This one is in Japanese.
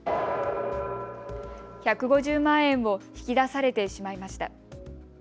１５０万円を引き出されてしまいました。